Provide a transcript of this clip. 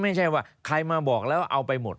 ไม่ใช่ว่าใครมาบอกแล้วเอาไปหมด